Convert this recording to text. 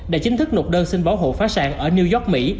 đã chính thức nộp đơn xin bảo hộ phá sản ở new york mỹ